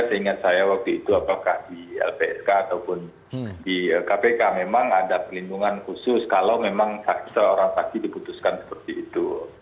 seingat saya waktu itu apakah di lpsk ataupun di kpk memang ada pelindungan khusus kalau memang seorang saksi diputuskan seperti itu